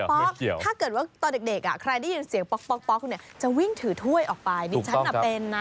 ถ้าเกิดว่าตอนเด็กอ่ะใครได้ยินเสียงป๊อกป๊อกป๊อกป๊อกเนี่ยจะวิ่งถือถ้วยออกไปนี่ฉันอันเป็นนะ